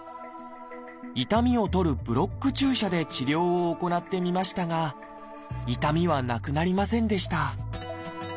痛みを取るブロック注射で治療を行ってみましたが痛みはなくなりませんでした